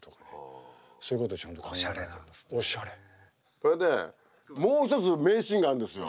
それでもう一つ名シーンがあるんですよ。